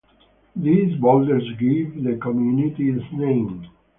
These boulders gave the community its name.